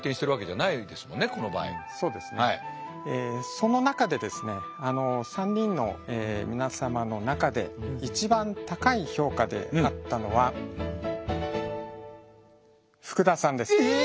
その中でですね３人の皆様の中で一番高い評価であったのはえ！？え！？